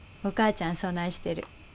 お母ちゃんそないしてる。